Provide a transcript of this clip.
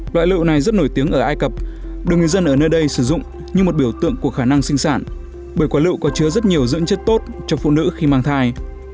loại lựu này rất nổi tiếng ở ai cập được người dân ở nơi đây sử dụng như một biểu tượng của khả năng sinh sản bởi quả lựu có chứa rất nhiều dưỡng chất tốt cho phụ nữ khi mang thai